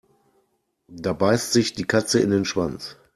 Da beißt sich die Katze in den Schwanz.